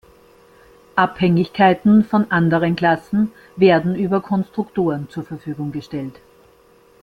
Abhängigkeiten von anderen Klassen werden über Konstruktoren zur Verfügung gestellt.